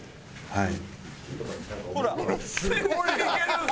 はい。